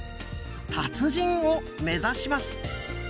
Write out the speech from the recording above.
達人を目指します。